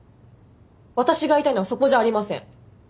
私が言いたいのはそこじゃありません。